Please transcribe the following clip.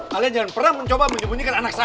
kalian jangan pernah mencoba menyembunyikan anak saya